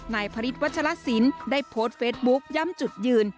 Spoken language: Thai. นายพระฤทธวัชลสินได้โพสต์เฟซบุ๊คย้ำจุดยืน